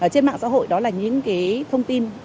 trên mạng xã hội đó là những thông tin